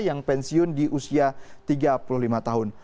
yang pensiun di usia tiga puluh lima tahun